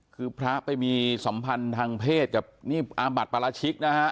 คือพระไปมีสัมพันธ์ทางเพศกับนี่อาบัติปราชิกนะฮะ